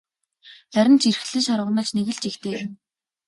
Харин ч эрхлэн шарваганаж нэг л жигтэй.